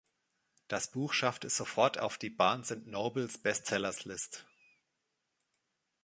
Das Buch schaffte es sofort auf die „Barnes and Noble's Best Sellers List“.